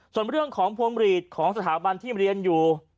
ส่วนเรื่องของพวงหลีดของสถาบันที่เรียนอยู่